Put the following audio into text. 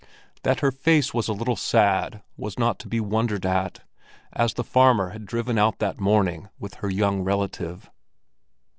That her face was a little sad was not to be wondered at, as the farmer had driven out that morning with her young relative.